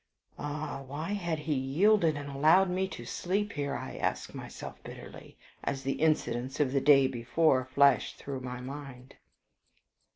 Ah! why had he yielded and allowed me to sleep here, I asked myself bitterly, as the incidents of the day before flashed through my mind.